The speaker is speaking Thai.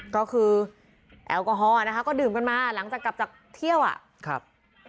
ก็คือแอลกอฮอล์นะคะก็ดื่มกันมาหลังจากกลับจากเที่ยวอ่ะครับ